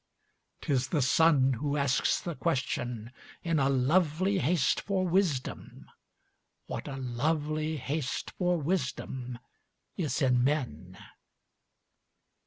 'T is the sun who asks the question, in a lovely haste for wisdom What a lovely haste for wisdom is in men?